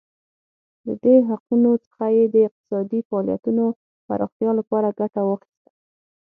له دې حقونو څخه یې د اقتصادي فعالیتونو پراختیا لپاره ګټه واخیسته.